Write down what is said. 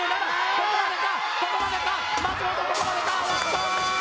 ここまでかここまでか松本ここまでかラストー！